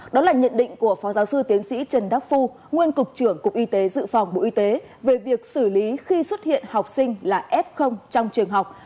đó là nhận định của phó giáo sư tiến sĩ trần đắc phu nguyên cục trưởng cục y tế dự phòng bộ y tế về việc xử lý khi xuất hiện học sinh là f trong trường học